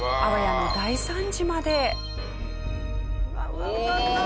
うわ！